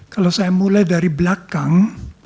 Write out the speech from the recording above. kalau saya mulai dari belakang